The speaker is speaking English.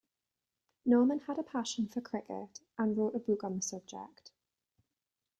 Norman had a passion for cricket; and wrote a book on the subject.